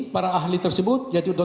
para ahli tersebut yaitu